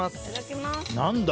何だ？